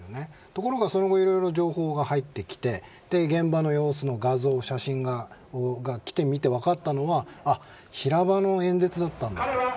ところが、その後情報が入ってきて現場の様子の写真が来てみて分かったのが平場の演説だったんだと。